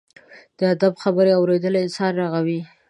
د ادب خبرې اورېدل انسان رغوي.